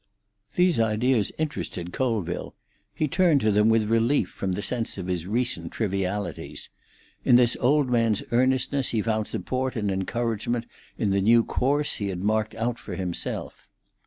These ideas interested Colville; he turned to them with relief from the sense of his recent trivialities; in this old man's earnestness he found support and encouragement in the new course he had marked out for himself.